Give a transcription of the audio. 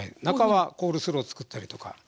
中はコールスロー作ったりとか。